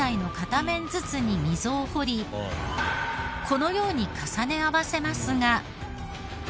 このように重ね合わせますが。